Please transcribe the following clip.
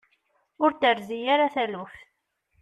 Ur t-terzi ara taluft.